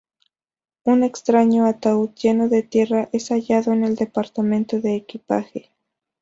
Un extraño ataúd lleno de tierra es hallado en el departamento de equipaje.